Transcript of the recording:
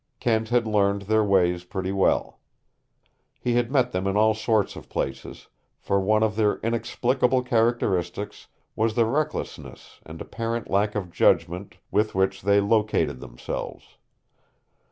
Kent had learned their ways pretty well. He had met them in all sorts of places, for one of their inexplicable characteristics was the recklessness and apparent lack of judgment with which they located themselves.